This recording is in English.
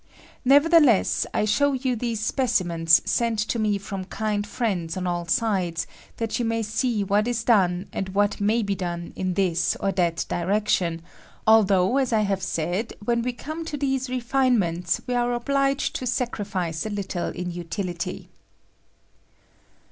Never theless, I show you these specimens, sent to me from kind friends on all sides, that you may B r 18 MODE OF BURNING. ■wHat 13 done and what may be done in this or that direction; althoughj as I have said, ■when we come to these rednemente, we arc obliged to sacrifice a Uttle in utility.